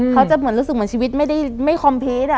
เขาจะเหมือนรู้สึกเหมือนชีวิตไม่ได้ไม่คอมเพจ